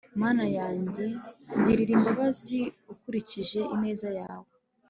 mana yanjye, ngirira imbabazi ukurikije ineza yawe